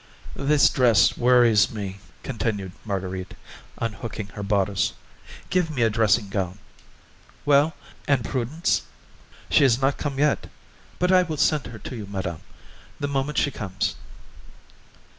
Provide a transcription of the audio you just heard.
"This dress worries me," continued Marguerite, unhooking her bodice; "give me a dressing gown. Well, and Prudence?" "She has not come yet, but I will send her to you, madame, the moment she comes."